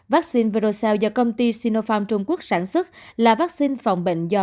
vaccine voroso do công ty sinopharm trung quốc sản xuất là vaccine phòng bệnh do